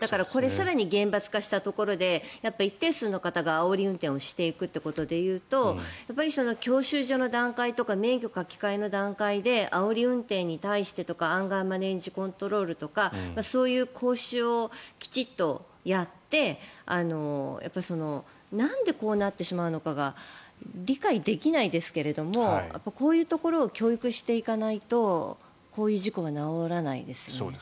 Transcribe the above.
更に厳罰化したところで一定数の方が、あおり運転をしていくということでいうと教習所の段階とか免許書き換えの段階であおり運転に対してとかアンガーマネジコントロールとかそういう講習をきちんとやってなんでこうなってしまうのかが理解できないですけれどもこういうところを教育していかないとこういう事故は治らないですよね。